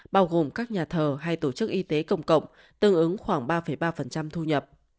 bao gồm các nhà thờ hay tổ chức y tế công cộng tương ứng khoảng ba ba thu nhập